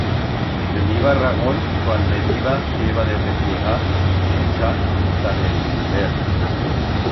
Teniba ragón cuan me diba que heba de repllegar menchar ta de l'hibert.